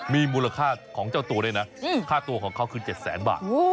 มีมูลค่าของเจ้าตัวด้วยนะค่าตัวของเขาคือ๗แสนบาท